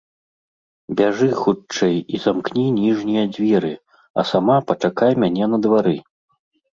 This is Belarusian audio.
Бяжы хутчэй і замкні ніжнія дзверы, а сама пачакай мяне на двары.